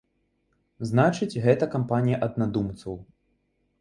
Значыць, гэта кампанія аднадумцаў.